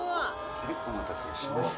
はいお待たせしました